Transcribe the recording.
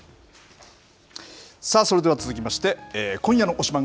さあ、それでは続きまして、今夜の推しバン！